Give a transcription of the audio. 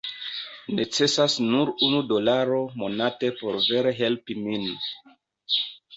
Necesas nur unu dolaro monate por vere helpi min